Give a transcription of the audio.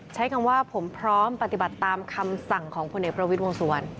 ใช้คำว่าผมพร้อมปฏิบัติตามคำสั่งของพลเอกประวิทย์วงสุวรรณ